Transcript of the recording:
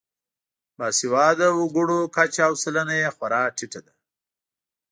باسواده وګړو کچه او سلنه یې خورا ټیټه ده.